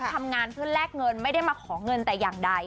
ทำงานเพื่อแลกเงินไม่ได้มาขอเงินแต่อย่างใด